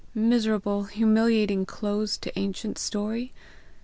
Miserable, humiliating close to ancient story!